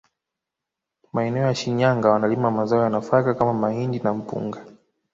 Maeneo ya Shinyanga wanalima mazao ya nafaka kama mahindi na mpunga